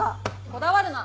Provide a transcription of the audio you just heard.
こだわるな。